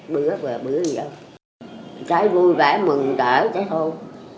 bữa về bữa dân cháu vui vẻ mừng đỡ cháu thôi